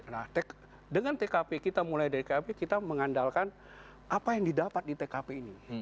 nah dengan tkp kita mulai dari tkp kita mengandalkan apa yang didapat di tkp ini